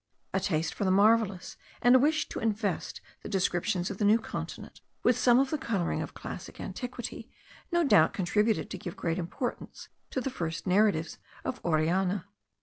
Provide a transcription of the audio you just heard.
A taste for the marvellous, and a wish to invest the descriptions of the New Continent with some of the colouring of classic antiquity, no doubt contributed to give great importance to the first narratives of Orellana.